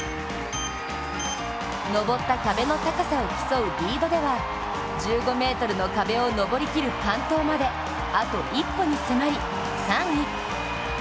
登った壁の高さを競うリードでは１５ｍの壁を登り切る完登まであと一歩に迫り３位。